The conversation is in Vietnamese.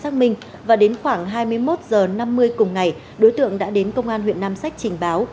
xác minh và đến khoảng hai mươi một h năm mươi cùng ngày đối tượng đã đến công an huyện nam sách trình báo